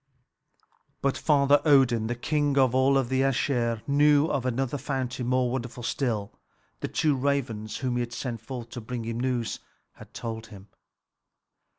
But Father Odin, the king of all the Æsir, knew of another fountain more wonderful still; the two ravens whom he sent forth to bring him news had told him.